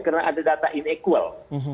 karena ada data inequal